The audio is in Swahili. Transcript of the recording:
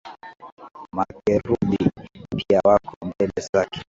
Makerubi pia wako mbele zako.